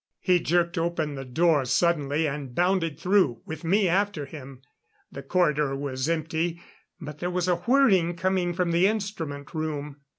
He jerked open the door suddenly and bounded through, with me after him. The corridor was empty. But there was a whirring coming from the instrument room.